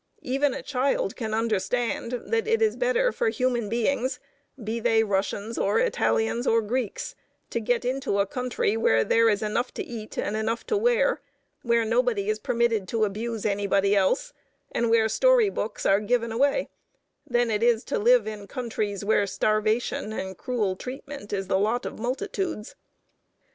Even a child can understand that it is better for human beings, be they Russians or Italians or Greeks, to get into a country where there is enough to eat and enough to wear, where nobody is permitted to abuse anybody else, and where story books are given away, than it is to live in countries where starvation and cruel treatment is the lot of multitudes.